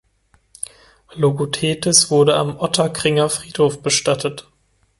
Logothetis wurde am Ottakringer Friedhof bestattet.